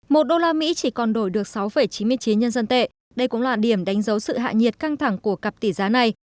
một đô la mỹ chỉ còn đổi được sáu chín mươi chín nhân dân tệ đây cũng là điểm đánh dấu sự hạ nhiệt căng thẳng của cặp tỷ giá này